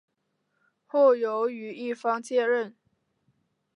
后由于一方接任。